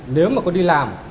nếu mà có đi làm